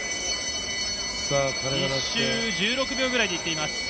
１周１６秒ぐらいでいっています。